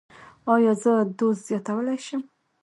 ایا زه دوز زیاتولی شم؟